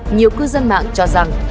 nhiều cư dân mạng cho rằng